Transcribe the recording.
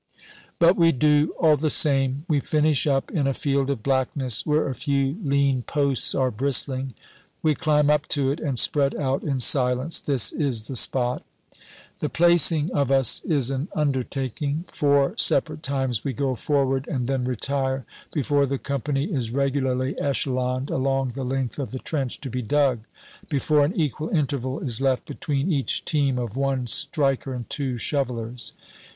But we do, all the same. We finish up in a field of blackness where a few lean posts are bristling. We climb up to it, and spread out in silence. This is the spot. The placing of us is an undertaking. Four separate times we go forward and then retire, before the company is regularly echeloned along the length of the trench to be dug, before an equal interval is left between each team of one striker and two shovelers.